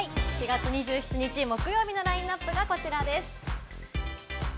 ４月２７日木曜日のラインナップがこちらです。